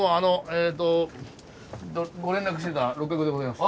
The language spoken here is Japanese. えっとご連絡してた六角でございます。